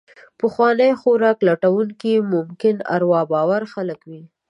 پخواني خوراک لټونکي ممکن اروا باوره خلک وو.